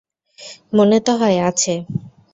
মনে তো হয় আছে।